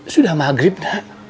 sudah maghrib nak